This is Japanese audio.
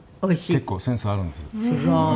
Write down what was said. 結構センスがあるんですよ」